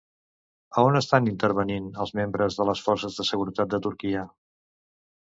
A on estan intervenint els membres de les forces de seguretat de Turquia?